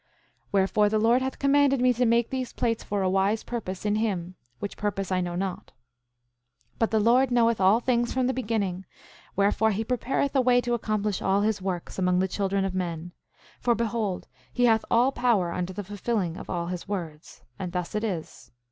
9:5 Wherefore, the Lord hath commanded me to make these plates for a wise purpose in him, which purpose I know not. 9:6 But the Lord knoweth all things from the beginning; wherefore, he prepareth a way to accomplish all his works among the children of men; for behold, he hath all power unto the fulfilling of all his words. And thus it is.